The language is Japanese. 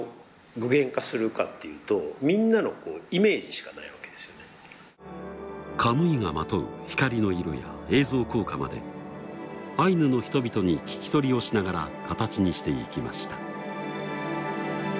じゃあカムイがまとう光の色や映像効果までアイヌの人々に聞き取りをしながら形にしていきました。